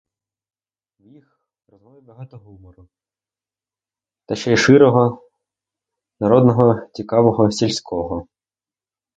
В їх розмові багато гумору, та ще й щиро народного, цікавого, сільського.